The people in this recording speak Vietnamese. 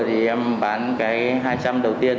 thì em bán cái hai trăm linh đầu tiên